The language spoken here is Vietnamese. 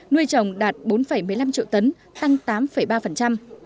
nuôi trồng đạt bốn một mươi năm triệu tấn tăng tám ba